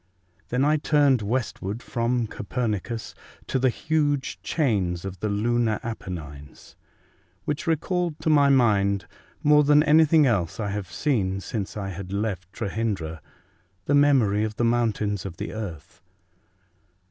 Then I turned westward from Copernicus to the huge chains of the lunar Apennines, which recalled to my mind, more than anything else I had seen since I had left Trehyndra, the memory of the mountains of the earth.